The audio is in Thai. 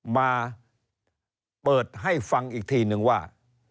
มาเปิดให้ฟังอีกทีนึงว่า